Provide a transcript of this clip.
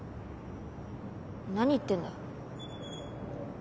何言ってんだ。